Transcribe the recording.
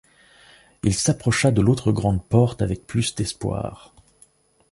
Il s’approcha de l’autre grande porte avec plus d’espoir.